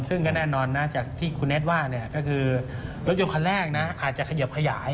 ซึ่งก็แน่นอนนะจากที่คุณเน็ตว่าก็คือรถยนต์คันแรกนะอาจจะเขยิบขยาย